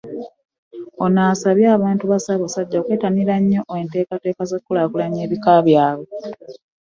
Ono asabye abantu ba Ssaabasajja okwettanira ennyo enteekateeka ez'okukulaakulanya ebika byabwe